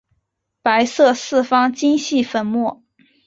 白色四方晶系粉末。